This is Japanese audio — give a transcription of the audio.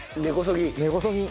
根こそぎ？